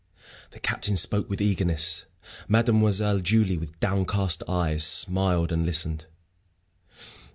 The Captain spoke with eagerness; Mademoiselle Julie, with downcast eyes, smiled and listened.